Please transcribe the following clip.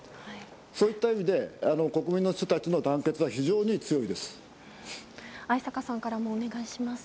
そういった意味で国民の人たちの団結は逢坂さんからもお願いします。